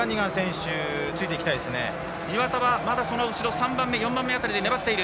岩田はまだ３番目４番目辺りで粘っている。